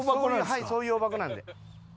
はいそういう大箱なんで。